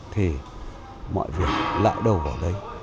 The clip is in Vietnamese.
thì mọi việc lại đâu vào đây